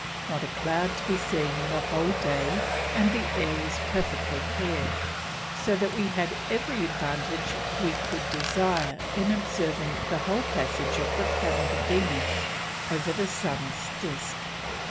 Not a cloud to be seen the whole day and the air was perfectly clear, so that we had every advantage we could desire in observing the whole passage of the Planet Venus over the Sun's Disk.